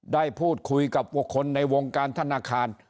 ได้พูดคุยกับบุคคลในวงการธนาคาร